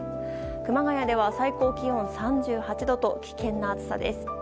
熊谷では最高気温３８度と危険な暑さです。